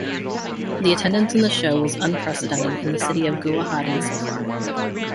The attendance in the show was unprecedented in the city of Guwahati so far.